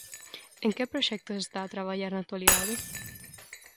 En que proxectos está a traballar na actualidade?